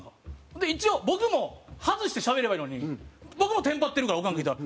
で一応僕も外してしゃべればいいのに僕もテンパってるからオカン来たら。